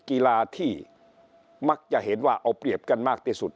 กีฬาที่มักจะเห็นว่าเอาเปรียบกันมากที่สุด